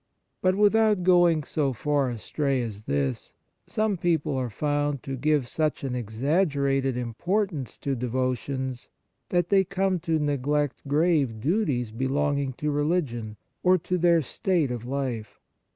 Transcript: But without going so far astray as this, some people are found to give such an exaggerated importance to devotions that they come to neglect grave duties belong 57 On the Exercises of Piety ing to religion or to their state of life.